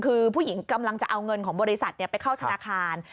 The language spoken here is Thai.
คือผู้หญิงกำลังจะเอาเงินของบริษัทไปเข้าธนาคาร